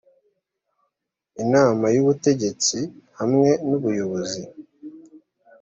inama y ubutegetsi hamwe n ubuyobozi